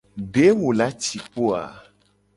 De wo la ci kpo a?